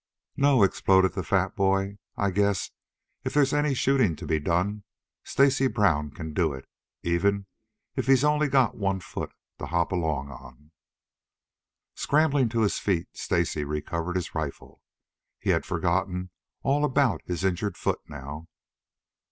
"No!" exploded the fat boy. "I guess if there's any shooting to be done, Stacy Brown can do it, even if he's only got one foot to hop along on." Scrambling to his feet, Stacy recovered his rifle. He had forgotten all about his injured foot now.